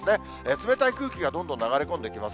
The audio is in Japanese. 冷たい空気がどんどん流れ込んできます。